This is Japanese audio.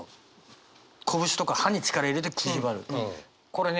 これね